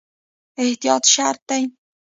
احتیاط شرط دی